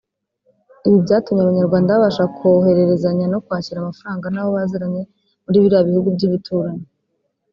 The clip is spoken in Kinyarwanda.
Ibi byatumye Abanyarwanda babasha kohererezanya no kwakira amafaranga n’abo baziranye muri biriya bihugu by’ibituranyi